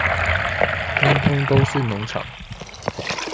通通都是農場